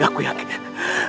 aku sudah berhenti